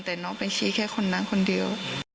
แต่น้องไปชี้แค่คนนั้นคนเดียว